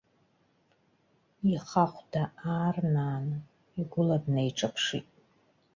Ихахәда аарнааны, игәыла днеиҿаԥшит.